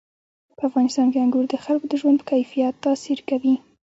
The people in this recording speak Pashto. په افغانستان کې انګور د خلکو د ژوند په کیفیت تاثیر کوي.